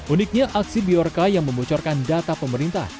uniknya aksi biorca yang membocorkan data pemerintah